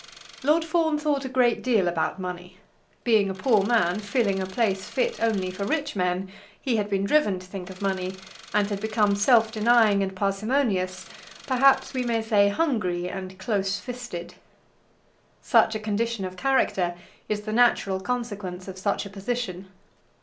Lord Fawn thought a great deal about money. Being a poor man, filling a place fit only for rich men, he had been driven to think of money, and had become self denying and parsimonious, perhaps we may say hungry and close fisted. Such a condition of character is the natural consequence of such a position.